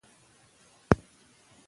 زده کړه ځنډ نه غواړي.